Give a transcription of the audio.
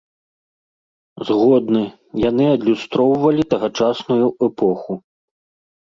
Згодны, яны адлюстроўвалі тагачасную эпоху.